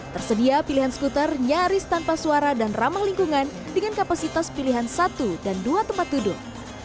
tersedia pilihan skuter nyaris tanpa suara dan ramah lingkungan dengan kapasitas pilihan satu dan dua tempat duduk